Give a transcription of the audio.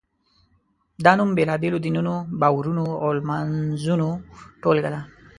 دا نوم بېلابېلو دینونو، باورونو او لمانځنو ټولګه ده.